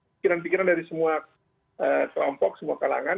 pikiran pikiran dari semua kelompok semua kalangan